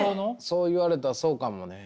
そう言われたらそうかもね。